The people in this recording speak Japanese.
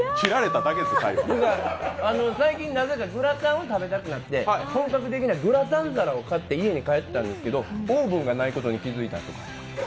最近、なぜかグラタンを食べたくなって本格的なグラタン皿を買って家に帰ったんですけど、オーブンがないことに気がついたと。